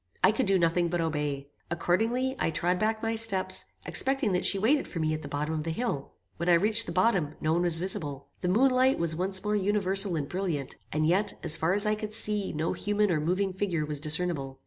I could do nothing but obey. Accordingly, I trod back my steps, expecting that she waited for me at the bottom of the hill. When I reached the bottom, no one was visible. The moon light was once more universal and brilliant, and yet, as far as I could see no human or moving figure was discernible.